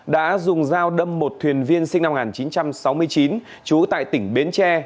đã dùng dao đâm một thuyền viên sinh năm một nghìn chín trăm sáu mươi chín trú tại tỉnh bến tre